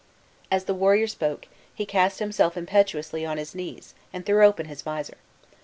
As the warrior spoke, he cast himself impetuously on his knees, and threw open his visor.